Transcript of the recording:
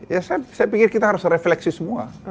ya saya pikir kita harus refleksi semua